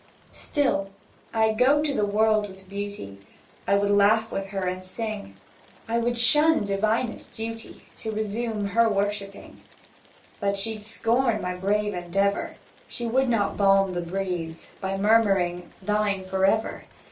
Still, I'd go the world with Beauty, I would laugh with her and sing, I would shun divinest duty To resume her worshipping. But she'd scorn my brave endeavour, She would not balm the breeze By murmuring "Thine for ever!"